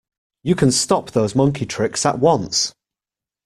You can stop those monkey tricks at once!